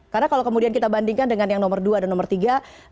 karena kalau kemudian kita bandingkan dengan yang nomor dua dan nomor tiga